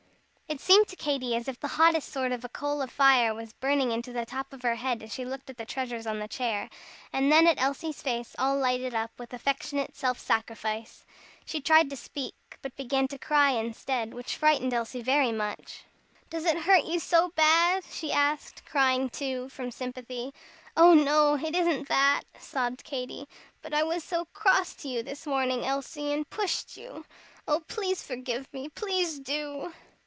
It seemed to Katy as if the hottest sort of a coal of fire was burning into the top of her head as she looked at the treasures on the chair, and then at Elsie's face all lighted up with affectionate self sacrifice. She tried to speak, but began to cry instead, which frightened Elsie very much. "Does it hurt you so bad?" she asked, crying, too, from sympathy. "Oh, no! it isn't that," sobbed Katy, "but I was so cross to you this morning, Elsie, and pushed you. Oh, please forgive me, please do!"